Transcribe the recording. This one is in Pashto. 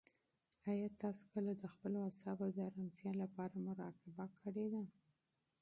آیا تاسو کله د خپلو اعصابو د ارامتیا لپاره مراقبه کړې ده؟